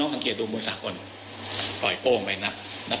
ให้นักมวยเดินมา